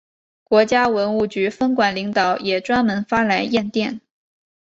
国家文物局分管领导也专门发来唁电。